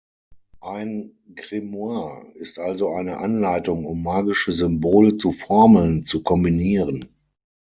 Ein Grimoire ist also eine Anleitung, um magische Symbole zu Formeln zu kombinieren.